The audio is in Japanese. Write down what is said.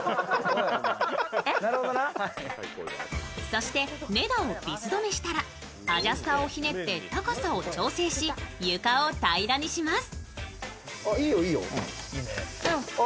そして根太をビス止めしたらアジャスターをひねって高さを調整し床を平らにします。